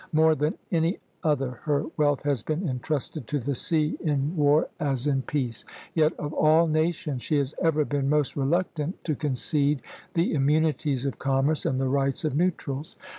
More than any other her wealth has been intrusted to the sea in war as in peace; yet of all nations she has ever been most reluctant to concede the immunities of commerce and the rights of neutrals.